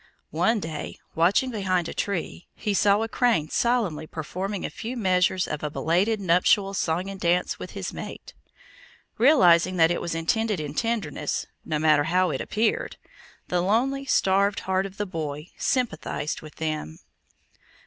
One day, watching behind a tree, he saw a crane solemnly performing a few measures of a belated nuptial song and dance with his mate. Realizing that it was intended in tenderness, no matter how it appeared, the lonely, starved heart of the boy sympathized with them.